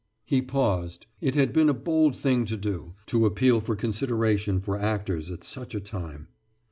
He paused. It had been a bold thing to do to appeal for consideration for actors at such a time.